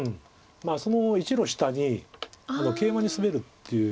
その１路下にケイマにスベるっていう。